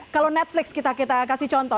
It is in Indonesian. kalau netflix kita kasih contoh